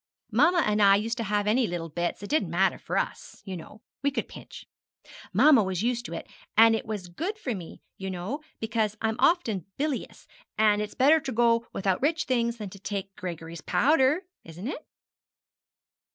'Mamma and I used to have any little bits it didn't matter for us, you know we could pinch. Mamma was used to it, and it was good for me, you know, because I'm often bilious and it's better to go without rich things than to take Gregory's powder, isn't it?'